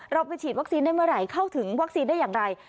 เราไปฉีดวัคซีนได้เมื่อไหร่เข้าถึงวัคซีนได้อย่างไร